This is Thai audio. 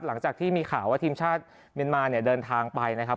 หลังจากที่มีข่าวว่าทีมชาติเมียนมาเนี่ยเดินทางไปนะครับ